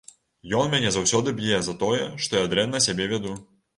Ён мяне заўсёды б'е за тое, што я дрэнна сябе вяду.